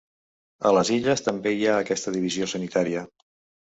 A les Illes, també hi ha aquesta divisió sanitària.